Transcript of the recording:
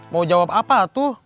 mau jawab apa tuh